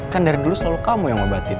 kan dari dulu selalu kamu yang ngobatin